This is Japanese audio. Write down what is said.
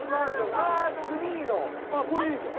ああこれいいじゃん。